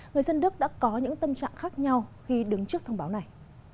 người dân đức đã có những tâm trạng khác nhau khi đứng trước thông báo này